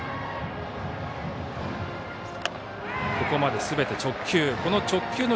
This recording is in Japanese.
ここまですべて直球。